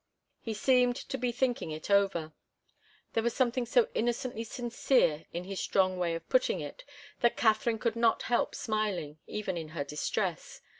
He seemed to be thinking it over. There was something so innocently sincere in his strong way of putting it that Katharine could not help smiling, even in her distress.